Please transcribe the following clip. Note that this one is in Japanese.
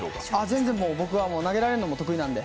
全然、僕は投げられるのも得意なんで。